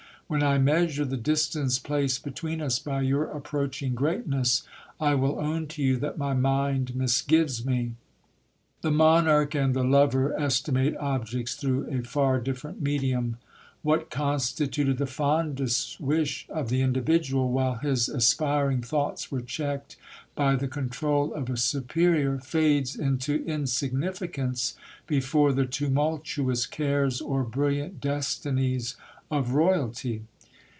When I measure the distance placed between us by your approaching greatness, I will own to you that my mind misgives me. The monarch and the lover estimate objects through a far different medium. What constituted the fondest wish of the individual, while his aspiring thoughts were checked by the control of a superior, fades into insignificance before the tumultuous cares or brilliant destinies of royalty.